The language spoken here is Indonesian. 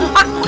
kok yang hutan